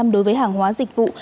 đối với hàng hóa dịch vụ